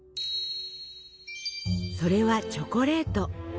それはチョコレート。